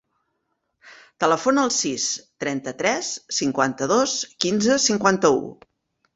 Telefona al sis, trenta-tres, cinquanta-dos, quinze, cinquanta-u.